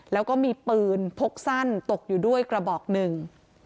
แล้วก็มีปืนพกสั้นตกอยู่ด้วยกระบอกหนึ่ง